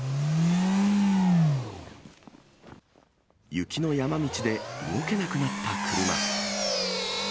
雪の山道で動けなくなった車。